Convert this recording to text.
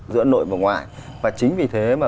giữa nội và ngoài và chính vì thế mà